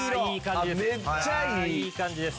いい感じです。